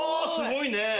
すごいね。